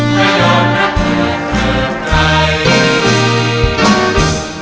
ไม่ยอมระเทียดเกินใคร